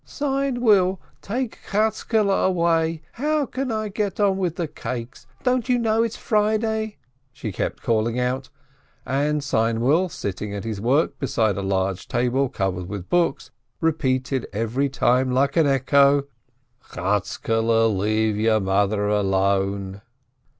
"Seinwill, take Chatzkele away ! How can I get on with the cakes ? Don't you know it's Friday ?" she kept calling out, and Seinwill, sitting at his work beside a POVERTY 109 large table covered with books, repeated every time like an echo: "Chatzkele, let mother alone